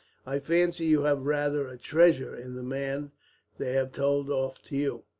"I fancy you have rather a treasure in the man they have told off to you.